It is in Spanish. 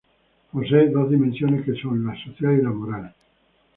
Posee dos dimensiones, que son la social y la moral.